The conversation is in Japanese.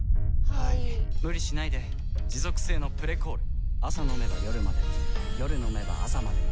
はい・・・無理しないで持続性の「プレコール」朝飲めば夜まで夜飲めば朝まで